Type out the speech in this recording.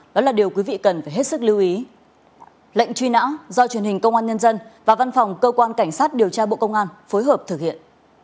lệnh truy nã do truyền hình công an nhân dân và văn phòng cơ quan cảnh sát điều tra bộ công an phối hợp thực hiện